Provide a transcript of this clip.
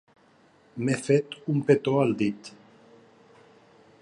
M'he fet un petó al dit.